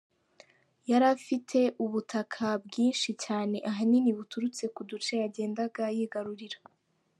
Yari afite ubutaka bwinshi cyane ahanini buturutse ku duce yagendaga yigarurira.